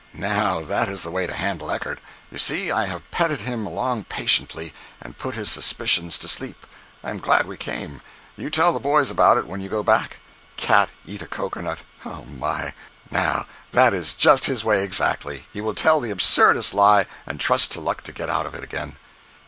Now, that is the way to handle Eckert. You see, I have petted him along patiently, and put his suspicions to sleep. I am glad we came. You tell the boys about it when you go back. Cat eat a cocoanut—oh, my! Now, that is just his way, exactly—he will tell the absurdest lie, and trust to luck to get out of it again.